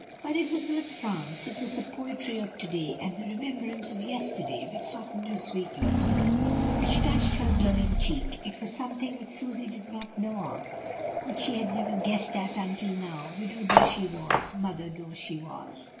But it was not France, it was the poetry of to day and the remembrance of yesterday which soft ened her sweet looks, which touched her glowing cheek. It was something which Susy did not know of, which she had never guessed at until now, widow though she was, mother though she was.